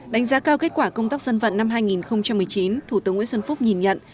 đánh giá cao kết quả công tác dân vận năm hai nghìn một mươi chín thủ tướng nguyễn xuân phúc nhìn nhận